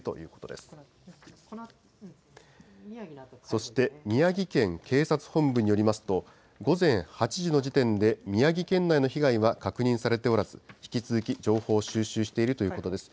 そして宮城県警察本部によりますと、午前８時の時点で、宮城県内の被害は確認されておらず、引き続き情報を収集しているということです。